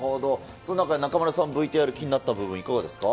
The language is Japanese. その中で中丸さん、気になった部分、いかがですか？